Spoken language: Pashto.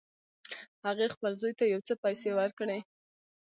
هغې خپل زوی ته یو څه پیسې ورکړې